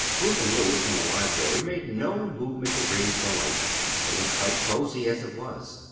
Ruth and Louis in the library made no movement to ring for lights; it was quite cosey as it was.